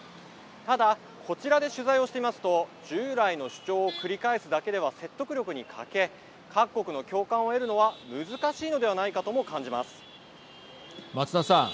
ただこちらで取材をしていますと従来の主張を繰り返すだけでは説得力に欠け各国の共感を得るのは難しいのではないかとも松田さん。